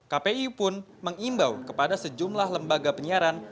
kpi pun mengimbau kepada sejumlah lembaga penyiaran